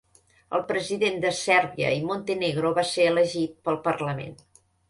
El president de Sèrbia i Montenegro va ser elegit pel parlament.